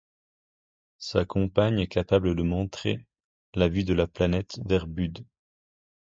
Sa compagne est capable de montrer la vue de la planète vers Bud.